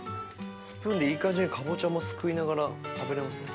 スプーンでいい感じにかぼちゃもすくいながら食べれますね。